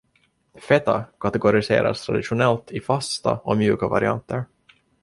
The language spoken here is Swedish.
Feta kategoriseras traditionellt i ”fasta” och ”mjuka” varianter.